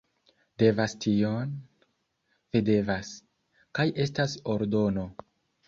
Devas tion... Vi devas. Kaj estas ordono.